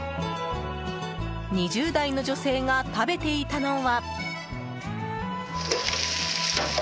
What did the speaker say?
２０代の女性が食べていたのは。